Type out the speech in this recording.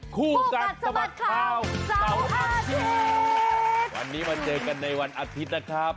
คู่กัดสะบัดข่าวเสาร์อาทิตย์วันนี้มาเจอกันในวันอาทิตย์นะครับ